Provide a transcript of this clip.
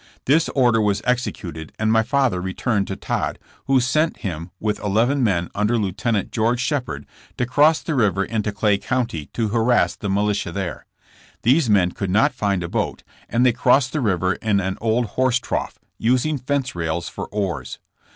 This order was executed and my father re turned to Todd, who sent him with eleven men under Lieut. George Shepherd to cross the river into Clay County to harass the militia there. These men could not find a boat, and they crossed the river in an old horse trough, using fence rails for oars.